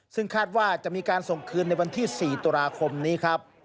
ซึ่งคาดว่าจะมีการส่งคืนในวันที่๔ตุลาคมนี้ครับ